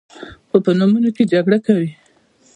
خو په نومونو جګړه کوي.